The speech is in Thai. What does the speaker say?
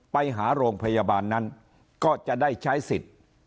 ไปหาโรงพยาบาลนั้นก็จะได้ใช้สิทธิ์